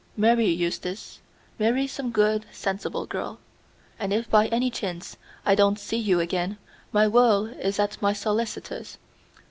Marry, Eustace. Marry some good, sensible girl. And if by any chance I don't see you again, my will is at my solicitor's.